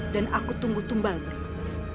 dan aku tunggu tumbal berikutnya